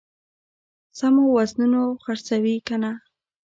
سمو وزنونو خرڅوي کنه.